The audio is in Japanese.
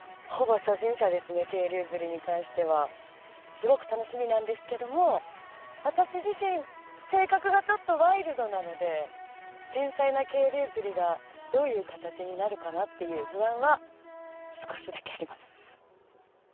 すごく楽しみなんですけども私自身性格がちょっとワイルドなので繊細な渓流釣りがどういう形になるかなっていう不安は少しだけあります。